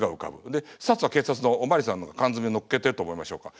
で「察」は警察のお巡りさんの缶詰のっけてると思いましょうか。